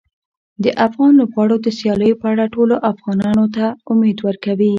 د افغان لوبغاړو د سیالیو په اړه ټولو افغانانو ته امید ورکوي.